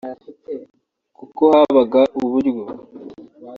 kuko habaga uburyo